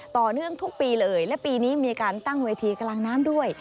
ต่อเนื่องทุกปีเลยและปีนี้มีการตั้งเวทีกลางน้ำด้วย